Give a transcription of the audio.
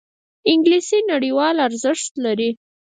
انګلیسي نړیوال ارزښت لري